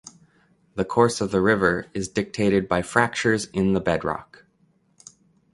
The course of the river is dictated by fractures in the bedrock.